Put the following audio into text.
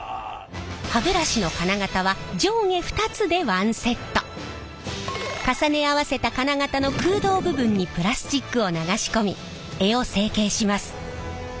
歯ブラシの金型は重ね合わせた金型の空洞部分にプラスチックを流し込み柄を成形します。